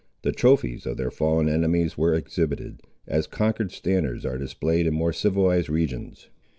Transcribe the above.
The trophies of their fallen enemies were exhibited, as conquered standards are displayed in more civilised regions.